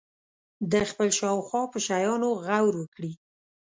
د خپل شاوخوا په شیانو غور وکړي.